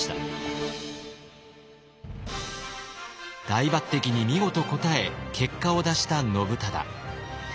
大抜擢に見事応え結果を出した信忠。